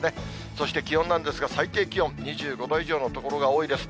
そして気温なんですが、最低気温２５度以上の所が多いです。